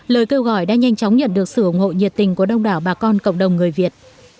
lời kêu gọi đã nhanh chóng nhận được sự ủng hộ nhiệt tình của đông đảo bà con cộng đồng người việt